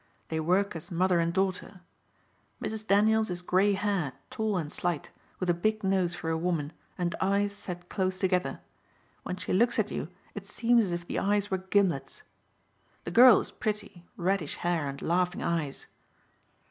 They work as mother and daughter. Mrs. Daniels is gray haired, tall and slight, with a big nose for a woman and eyes set close together. When she looks at you it seems as if the eyes were gimlets. The girl is pretty, reddish hair and laughing eyes."